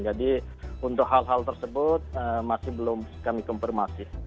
jadi untuk hal hal tersebut masih belum kami konfirmasi